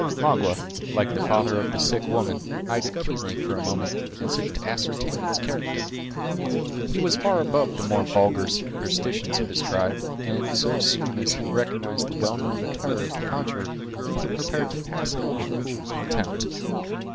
Magua, like the father of the sick woman, eyed it keenly for a moment, as if to ascertain its character. He was far above the more vulgar superstitions of his tribe, and so soon as he recognized the well known attire of the conjurer, he prepared to pass it in cool contempt.